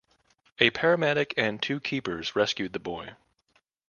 A paramedic and two keepers rescued the boy.